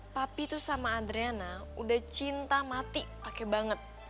papi tuh sama adriana udah cinta mati pake banget